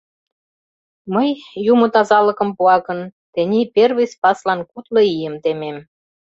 Мый, юмо тазалыкым пуа гын, тений первый спаслан кудло ийым темем.